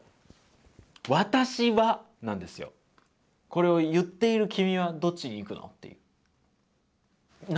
なのでこれを言っている君はどっちに行くのっていう。